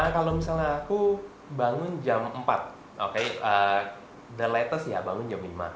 kalau misalnya aku bangun jam empat oke the lattest ya bangun jam lima